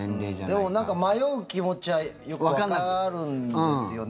でも、迷う気持ちはよくわかるんですよね。